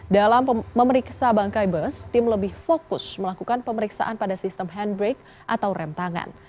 dalam memeriksa bangkai bus tim lebih fokus melakukan pemeriksaan pada sistem handbrake atau rem tangan